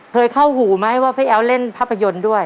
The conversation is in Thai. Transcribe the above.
เคยเข้าหูไหมว่าพี่แอ๋วเล่นภาพยนตร์ด้วย